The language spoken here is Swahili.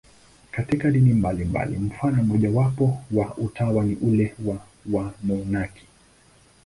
Katika dini mbalimbali, mfano mmojawapo wa utawa ni ule wa wamonaki.